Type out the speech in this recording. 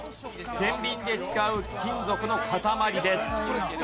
てんびんで使う金属の塊です。